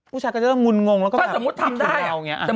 ผู้ชามก็จะมุ้นงงแล้วก็แสดงแต่เหล่าอย่างเงี้ย